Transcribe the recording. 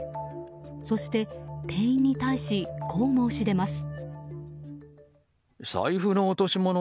そして店員に対しこう申し出ます。